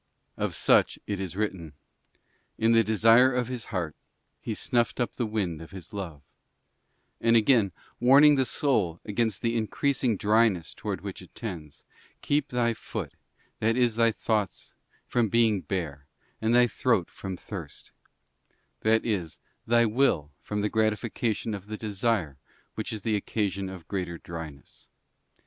Of such it is written, 'In the desire of his heart, he snuffed up the wind of his love,'}+ and again warning the soul against the in creasing dryness towards which it tends: ' Keep thy foot,' that is thy thoughts, 'from being bare, and thy throat from thirst,' {—that is, thy will from the gratification of the desire which is the occasion of greater dryness.